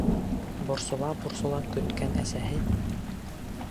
Борсола-борсола көткән әсәһе: